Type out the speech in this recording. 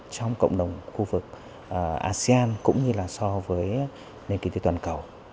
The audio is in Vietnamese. trong cộng đồng khu vực asean cũng như là so với nền kỳ tuyệt toàn cầu